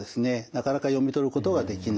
なかなか読み取ることができない。